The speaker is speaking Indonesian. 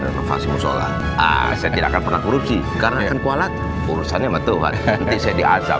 renovasi musyola saya tidak akan pernah kerugi karena kuala urusannya betul nanti saya diazam